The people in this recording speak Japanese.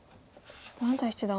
安斎七段